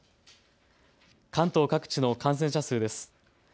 関東各地の感染者数です。